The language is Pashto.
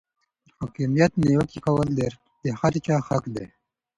پر حاکمیت نیوکې کول د هر چا حق دی.